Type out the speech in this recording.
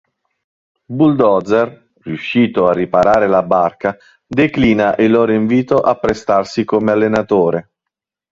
Bulldozer, riuscito a riparare la barca, declina il loro invito a prestarsi come allenatore.